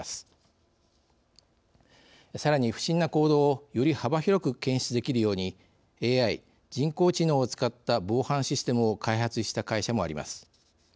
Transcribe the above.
さらに不審な行動をより幅広く検出できるようにＡＩ人工知能を使った防犯システムを開発した会社もあります。